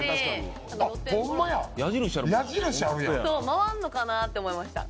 回んのかなぁって思いました！